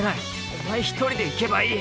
お前一人で行けばいい。